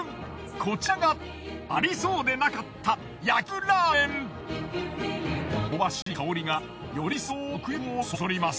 こちらがありそうでなかった香ばしい香りがより一層食欲をそそります。